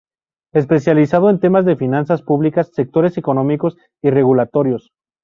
Especializado en temas de finanzas públicas, sectores económicos y regulatorios.